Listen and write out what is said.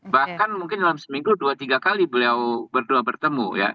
bahkan mungkin dalam seminggu dua tiga kali beliau berdua bertemu ya